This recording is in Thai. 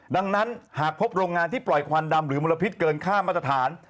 ดังนั้นหากพบโรงงานที่ปล่อยควันดำหรือมลพิษเกินค่ามาตรฐาน